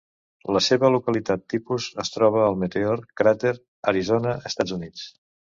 La seva localitat tipus es troba al Meteor Crater, Arizona, Estats Units.